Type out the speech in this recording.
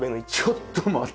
ちょっと待って！